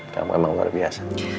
kamu emang luar biasa